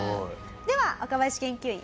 では若林研究員